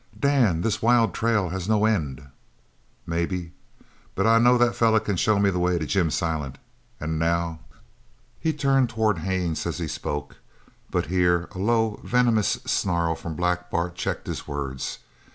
"Dan, this wild trail has no end." "Maybe, but I know that feller can show me the way to Jim Silent, an' now " He turned towards Haines as he spoke, but here a low, venomous snarl from Black Bart checked his words.